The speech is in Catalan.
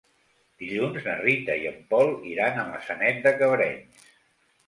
Dilluns na Rita i en Pol iran a Maçanet de Cabrenys.